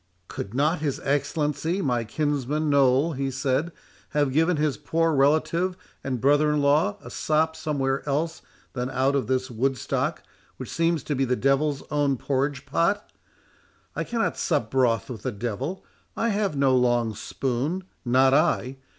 "Could not his Excellency, my kinsman Noll," he said, "have given his poor relative and brother in law a sop somewhere else than out of this Woodstock, which seems to be the devil's own porridge pot? I cannot sup broth with the devil; I have no long spoon—not I.